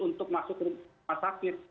untuk masuk rumah sakit